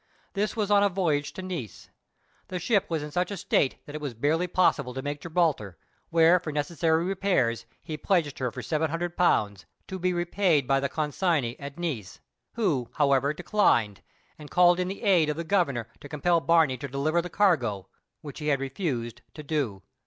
This was on a voyage to Nice. The ship was in such a state that it was barely possible to make Gibraltar, where for necessary repairs he pledged her for £700, to be repaid by the consignee at Nice, who however declined, and called in the aid of the Governor to compel Barney to deliver the cargo, which he had refused to do.